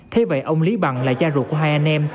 thế vậy ông lý bằng là cha ruột của hai anh em